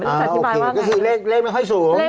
แล้วก็จะอธิบายว่าโอเคจะคือเลขเลขไม่ค่อยสูง